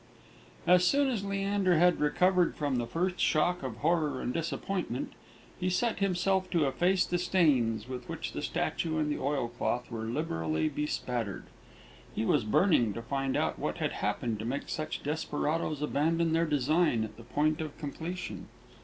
_ As soon as Leander had recovered from the first shock of horror and disappointment, he set himself to efface the stains with which the statue and the oilcloth were liberally bespattered; he was burning to find out what had happened to make such desperadoes abandon their design at the point of completion.